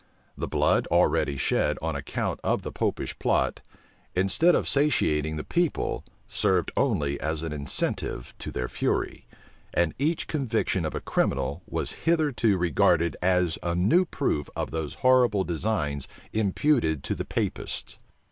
The blood already shed on account of the Popish plot, instead of satiating the people, served only as an incentive to their fury; and each conviction of a criminal was hitherto regarded as a new proof of those horrible designs imputed to the Papists.